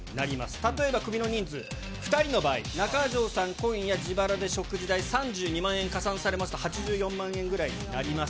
例えば、クビの人数２人の場合、中条さん、今夜自腹で食事代３２万円加算されますと、８４万円ぐらいになります。